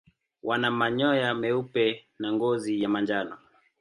Wana manyoya meupe na ngozi ya manjano.